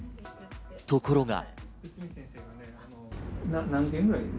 ところが。